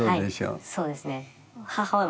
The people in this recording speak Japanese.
はいそうですね。